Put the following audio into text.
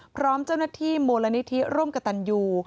พร้อมเจ้าหน้าที่มูลนิธิร่วมกับตันยู